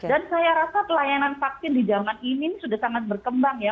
dan saya rasa pelayanan vaksin di zaman ini sudah sangat berkembang ya